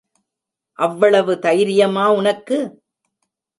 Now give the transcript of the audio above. அவ்வளவு தைரியமா உனக்கு?